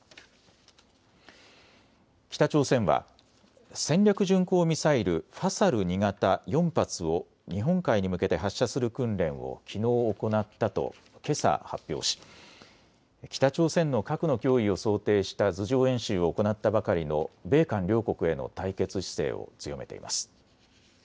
北朝鮮は戦略巡航ミサイル、ファサル２型４発を日本海に向けて発射する訓練をきのうを行ったとけさ発表し北朝鮮の核の脅威を想定した図上演習を行ったばかりの米韓両国への対決姿勢を強めています。